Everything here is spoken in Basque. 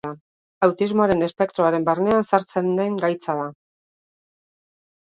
Autismoaren espektroaren barnean sartzen den gaitza da.